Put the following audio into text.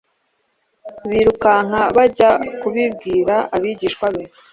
birukanka bajya kubibwira abigishwa be.»